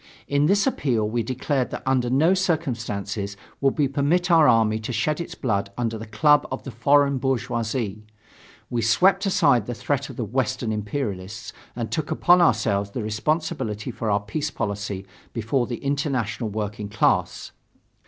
In this appeal we declared that under no circumstances would we permit our army to shed its blood under the club of the foreign bourgeoisie. We swept aside the threat of the Western imperialists and took upon ourselves the responsibility for our peace policy before the international working class.